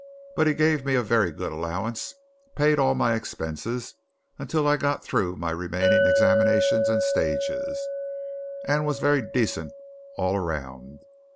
But he gave me a very good allowance, paid all my expenses until I got through my remaining examinations and stages, and was very decent all around.